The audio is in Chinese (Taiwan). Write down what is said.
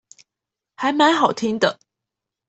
還蠻好聽的